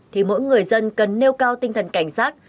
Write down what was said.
thì mỗi người dân cần nêu cao tinh thần cảnh giác